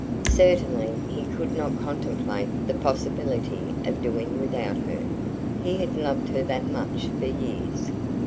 Certainly he could not contemplate the possibility of doing without her. He had loved her that much for years.